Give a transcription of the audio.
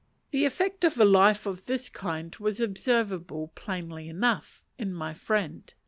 The effect of a life of this kind was observable plainly enough, in my friend.